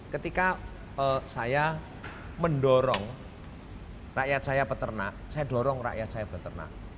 ketika saya mendorong rakyat saya peternak saya dorong rakyat saya peternak